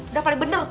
udah paling bener